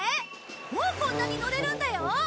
もうこんなに乗れるんだよ。